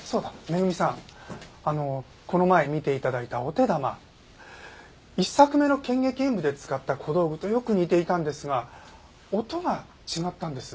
恵さんあのこの前見て頂いたお手玉１作目の『剣戟炎武』で使った小道具とよく似ていたんですが音が違ったんです。